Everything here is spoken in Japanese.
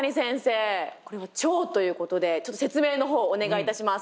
これは腸ということでちょっと説明の方お願いいたします。